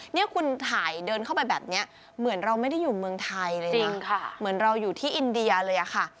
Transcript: นี่คุณถ่ายเดินเข้าไปแบบนี้เหมือนเราไม่ได้อยู่เมืองไทยเลยจริงเหมือนเราอยู่ที่อินเดียเลยอะค่ะ